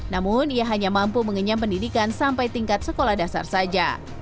namun ia hanya mampu mengenyam pendidikan sampai tingkat sekolah dasar saja